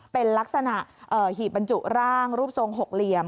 เป็นลักษณะหีบบรรจุร่างรูปทรงหกเหลี่ยม